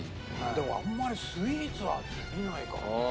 でもあんまりスイーツは見ないからな。